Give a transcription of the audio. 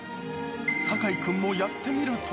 酒井君もやってみると。